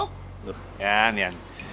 loh yan yan